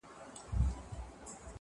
خدایه مینه د قلم ورکي په زړو کي-